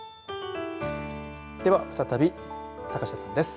では再び坂下さんです。